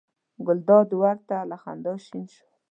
ګلداد ور ته له خندا شین شو.